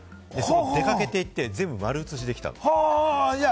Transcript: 出かけていって、全部、丸写しできたんですよ。